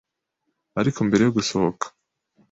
Ariko mbere yo gusohoka